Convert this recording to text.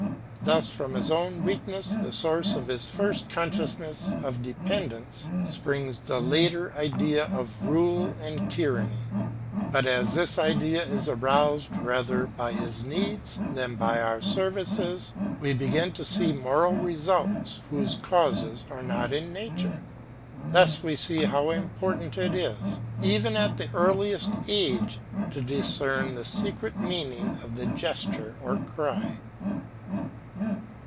Thus from his own weakness, the source of his first consciousness of dependence, springs the later idea of rule and tyranny; but as this idea is aroused rather by his needs than by our services, we begin to see moral results whose causes are not in nature; thus we see how important it is, even at the earliest age, to discern the secret meaning of the gesture or cry.